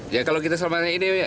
ya kalau kita selama ini